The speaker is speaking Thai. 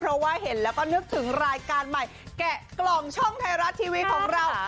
เพราะว่าเห็นแล้วก็นึกถึงรายการใหม่แกะกล่องช่องไทยรัฐทีวีของเรา